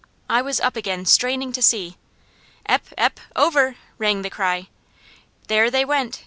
I was up again straining to see. "Ep! Ep! Over!" rang the cry. There they went!